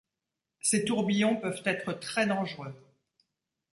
Ces tourbillons peuvent être très dangereux.